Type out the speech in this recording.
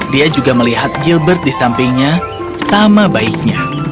dia juga melihat gilbert di sampingnya sama baiknya